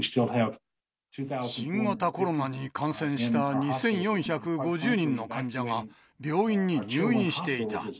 新型コロナに感染した２４５０人の患者が、病院に入院していた。